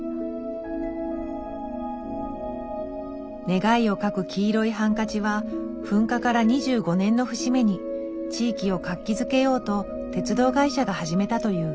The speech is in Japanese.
願いを書く黄色いハンカチは噴火から２５年の節目に地域を活気づけようと鉄道会社が始めたという。